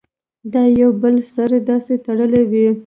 دا د يو بل سره داسې تړلي وي